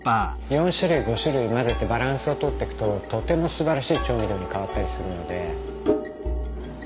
４種類５種類混ぜてバランスをとってくととてもすばらしい調味料に変わったりするので。